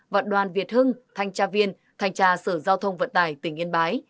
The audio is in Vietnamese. và đoàn việt hưng thanh tra viên thanh tra sở giao thông vận tải tỉnh yên bái